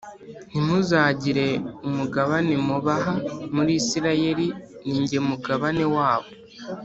Ntimuzagire umugabane mubaha muri Isirayeli ni jye mugabane wabo